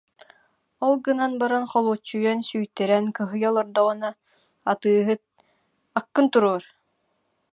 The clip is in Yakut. Ол гынан баран холуочуйан сүүйтэрэн кыһыйа олордоҕуна, атыыһыт: «Аккын туруор»